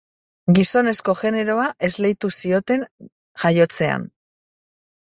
Gizonezko generoa esleitu zioten jaiotzean.